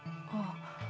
ああ。